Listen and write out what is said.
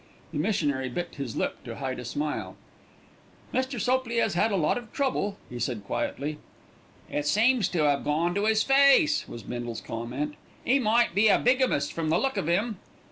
The missionary bit his lip to hide a smile. "Mr. Sopley has had a lot of trouble," he said quietly. "It seems to 'ave gone to 'is face," was Bindle's comment. "'E might be a bigamist from the look of 'im."